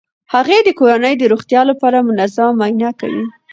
هغې د کورنۍ د روغتیا لپاره منظمه معاینه کوي.